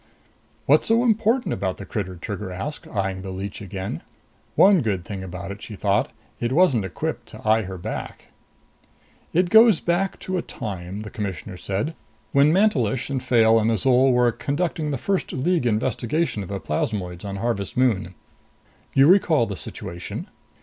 "What's so important about the critter?" Trigger asked, eyeing the leech again. One good thing about it, she thought it wasn't equipped to eye her back. "It goes back to the time," the Commissioner said, "when Mantelish and Fayle and Azol were conducting the first League investigation of the plasmoids on Harvest Moon. You recall the situation?"